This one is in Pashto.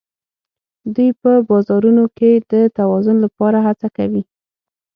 دوی په بازارونو کې د توازن لپاره هڅه کوي